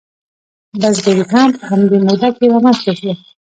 بزګري هم په همدې موده کې رامنځته شوه.